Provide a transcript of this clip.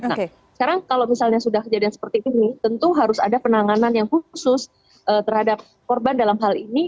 nah sekarang kalau misalnya sudah kejadian seperti ini tentu harus ada penanganan yang khusus terhadap korban dalam hal ini